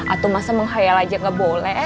atau masa menghayal aja nggak boleh